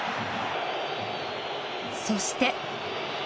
そして。